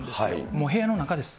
もう部屋の中です。